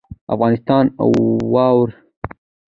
افغانستان د واوره لپاره مشهور دی.